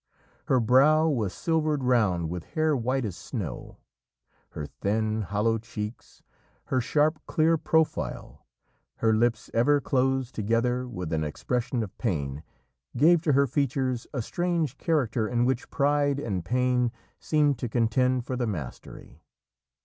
Her brow was silvered round with hair white as snow; her thin, hollow cheeks, her sharp, clear profile her lips ever closed together with an expression of pain gave to her features a strange character in which pride and pain seemed to contend for the mastery.